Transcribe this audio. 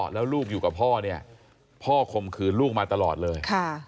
แล้วลูกอยู่กับพ่อเนี่ยพ่อข่มขืนลูกมาตลอดเลย